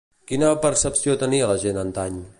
Quina percepció tenia la gent antany?